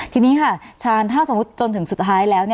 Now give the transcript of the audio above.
ทีนี้ค่ะชาญถ้าสมมุติจนถึงสุดท้ายแล้ว